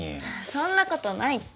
そんなことないって。